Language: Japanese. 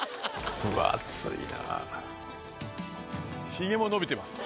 ヒゲも伸びてます。